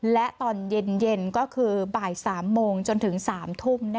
และตอนเย็นก็คือบ่าย๓โมงจนถึง๓ทุ่ม